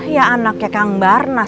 ya anaknya kang barnas